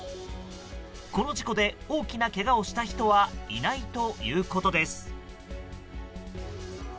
この事故で大きなけがをした人はいないということです。